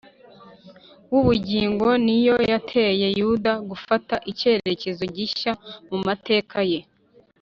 w’ubugingo ni yo yateye yuda gufata icyerekezo gishya mu mateka ye